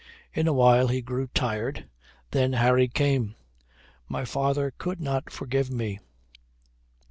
In a while he grew tired. Then Harry came. My father could not forgive me.